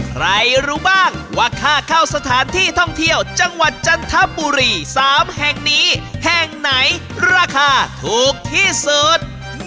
รู้บ้างว่าค่าเข้าสถานที่ท่องเที่ยวจังหวัดจันทบุรี๓แห่งนี้แห่งไหนราคาถูกที่สุด